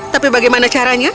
tapi bagaimana caranya